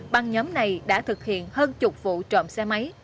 băng nhóm này đã thực hiện hơn chục vụ trộm xe máy